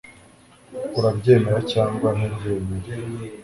urabyemera cyangwa ntubyemera